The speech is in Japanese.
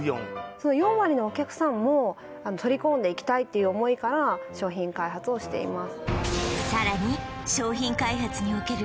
その４割のお客さんも取り込んでいきたいっていう思いから商品開発をしています